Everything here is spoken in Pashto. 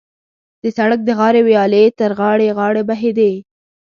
د سړک د غاړې ویالې تر غاړې غاړې بهېدې.